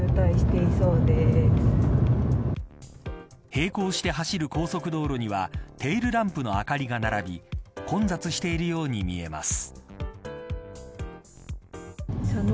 並行して走る高速道路にはテールランプの明かりが並び混雑しているように見えます。